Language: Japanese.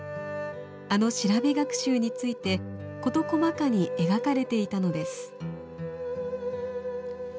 あの調べ学習について事細かに描かれていたのです。